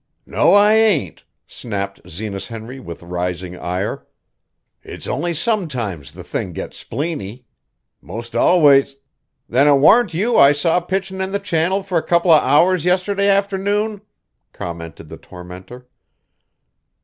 "No, I ain't" snapped Zenas Henry with rising ire. "It's only sometimes the thing gets spleeny. Most always " "Then it warn't you I saw pitchin' in the channel fur a couple of hours yesterday afternoon," commented the tormentor.